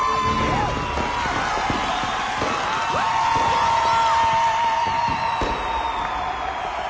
やったぞ！